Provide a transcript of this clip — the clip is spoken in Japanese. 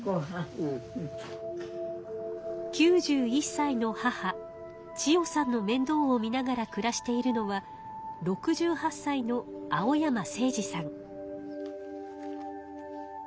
９１歳の母千代さんのめんどうを見ながら暮らしているのは６８歳の青山政司さん。